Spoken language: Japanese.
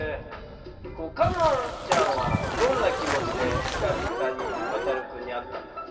歌音ちゃんはどんな気持ちで久々にワタル君に会ったんだろう？